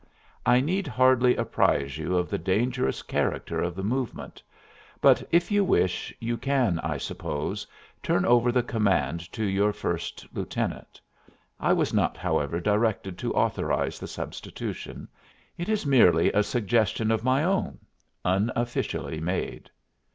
I need hardly apprise you of the dangerous character of the movement, but if you wish, you can, I suppose, turn over the command to your first lieutenant. I was not, however, directed to authorize the substitution; it is merely a suggestion of my own, unofficially made."